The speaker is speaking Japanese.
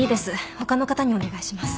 他の方にお願いします。